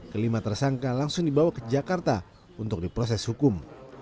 kelima tersangka langsung dibawa ke jakarta untuk diproses hukum